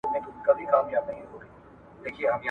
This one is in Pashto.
ښځي خپل اقتصادي وضعیت ښه کوي.